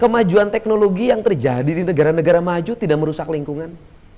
kemajuan teknologi yang terjadi di negara negara maju tidak merusak lingkungan